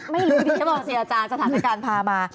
ไม่รู้พี่แต่เมื่อผมสั่งเสธอาจารย์สถานการณ์พามา